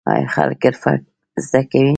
آیا خلک حرفه زده کوي؟